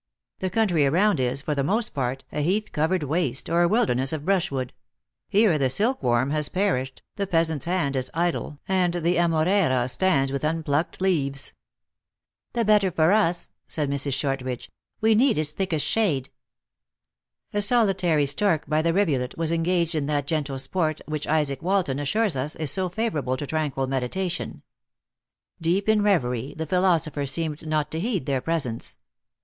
The coun 238 THE ACTRESS IK HIGH LIFE. try around, is, for the most part, a heath covered waste, or a wilderness of brushwood ; here the silk worm has perished, the peasant s hand is idle, and the amoreira stands with unplucked leaves." "The better for us," said Mrs. Shortridge ; "we need its thickest shade." A solitary stork, by the rivulet, was engaged in that gentle sport which Isaac Walton assures us, is so favorable to tranquil meditation. Deep in reverie, the philosopher seemed not to heed their presence.